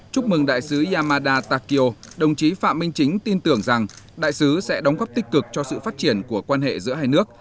chúc mừng đại sứ yamada takio đồng chí phạm minh chính tin tưởng rằng đại sứ sẽ đóng góp tích cực cho sự phát triển của quan hệ giữa hai nước